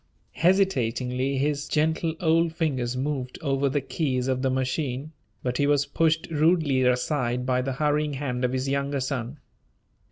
Hesitatingly, his gentle old fingers moved over the keys of the machine, but he was pushed rudely aside by the hurrying hand of his younger son.